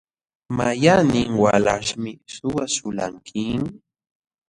¿Mayqannin walaśhmi suwaśhulqanki?